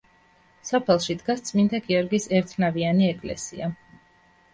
სოფელში დგას წმინდა გიორგის ერთნავიანი ეკლესია.